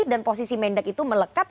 dan posisi mendek itu melekat